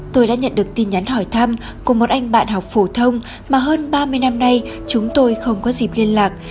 tôi đã nhận được tin nhắn hỏi thăm của một anh bạn học phổ thông mà hơn ba mươi năm nay chúng tôi không có dịp liên lạc